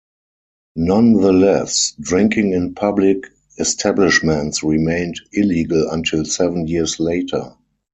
Nonetheless, drinking in public establishments remained illegal until seven years later.